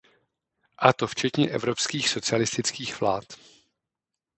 A to včetně evropských socialistických vlád.